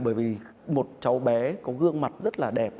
bởi vì một cháu bé có gương mặt rất là đẹp